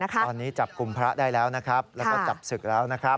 ตอนนี้จับกลุ่มพระได้แล้วแล้วก็จับศึกแล้ว